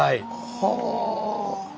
はあ。